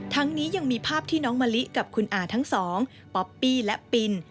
นี้ยังมีภาพที่น้องมะลิกับคุณอาทั้งสองป๊อปปี้และปิน